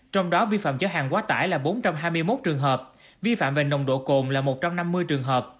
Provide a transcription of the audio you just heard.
trong đó vi phạm chở hàng quá tải là bốn trăm hai mươi một trường hợp vi phạm về nồng độ cồn là một trăm năm mươi trường hợp